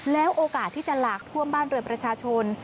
แล้วโอกาสที่จะหลากท่วมบ้านเรือนประชาชน